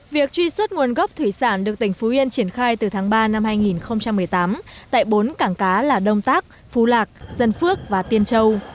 việc truy xuất nguồn gốc thủy sản được tỉnh phú yên triển khai từ tháng ba năm hai nghìn một mươi tám tại bốn cảng cá là đông tác phú lạc dân phước và tiên châu